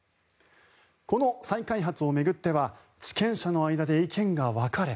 この再開発を巡っては地権者の間で意見が分かれ